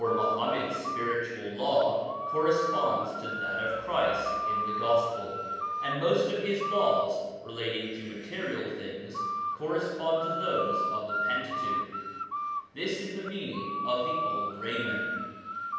58 SOME ANSWERED QUESTIONS for Muhammad's spiritual Law corresponds to that of Christ in the Gospel, and most of his laws relating to material things correspond to those of the Pentateuch. This is the meaning of the old raiment.